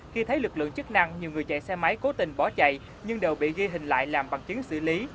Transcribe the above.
khi thấy lực lượng chức năng nhiều người chạy xe máy cố tình bỏ chạy nhưng đều bị ghi hình lại làm bằng chứng xử lý